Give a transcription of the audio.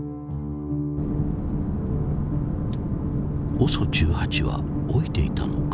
ＯＳＯ１８は老いていたのか。